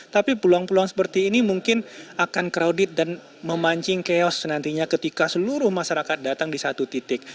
tapi peluang peluang seperti ini mungkin akan crowded dan memancing chaos nantinya ketika seluruh masyarakat datang di satu titik